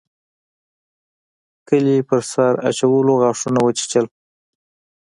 ګلي په سر اچولو غاښونه وچيچل.